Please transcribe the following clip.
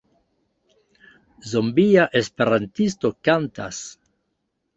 Zombia esperantisto kantas.